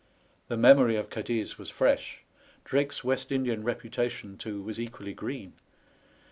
The memory of Cadiz was fresh, Drake's West Indian reputation, too, was equally green.